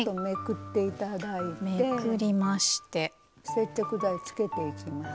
接着剤つけていきます。